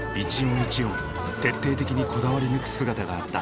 一音徹底的にこだわり抜く姿があった。